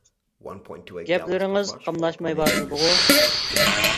گەپلىرىڭىز قاملاشمايۋاتىدىغۇ!